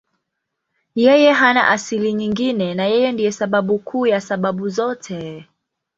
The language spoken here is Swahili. Yeye hana asili nyingine na Yeye ndiye sababu kuu ya sababu zote.